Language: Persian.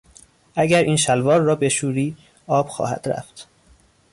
اگر این شلوار را بشوری آب خواهد رفت.